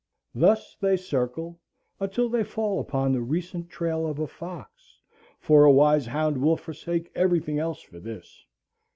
Thus they circle until they fall upon the recent trail of a fox, for a wise hound will forsake every thing else for this.